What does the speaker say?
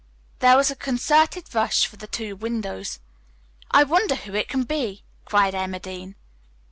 There was a concerted rush for the two windows. "I wonder who it can be!" cried Emma Dean.